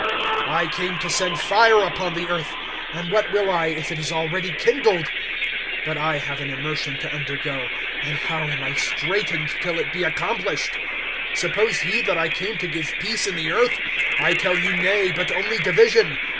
(49)I came to send fire upon the earth; and what will I, if it is already kindled[12:49]? (50)But I have an immersion to undergo; and how am I straitened till it be accomplished! (51)Suppose ye that I came to give peace in the earth? I tell you, nay; but only division.